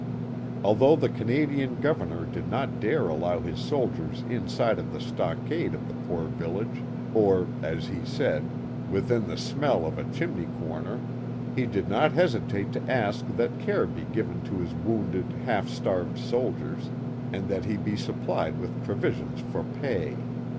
Although the Canadian Governbr did not dare allow his soldiers inside of the stockade of the poor village, or, as he said, within the smell of a chimney corner," he did not hesi tate to ask that care be given to his wounded, half starved soldiers, and that he be supplied with provisions for pay.